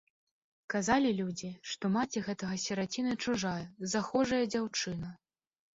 Казалі людзі, што маці гэтага сіраціны чужая, захожая дзяўчына.